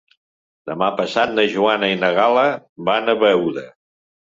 Demà passat na Joana i na Gal·la van a Beuda.